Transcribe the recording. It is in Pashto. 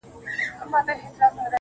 • زمــا دزړه د ائينې په خاموشـۍ كي.